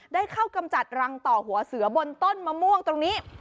ได้เข้ากำจัดรังต่อหัวเสือบนต้นมะม่วงตรงนี้